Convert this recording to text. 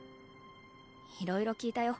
いろいろ聞いたよ